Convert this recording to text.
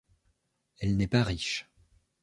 Elle n'est pas riche.